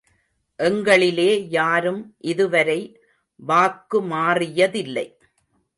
எங்களிலே யாரும் இதுவரை வாக்குமாறியதில்லை.